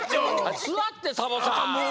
すわってサボさん！